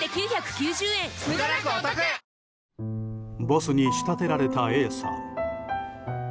ボスに仕立てられたＡさん。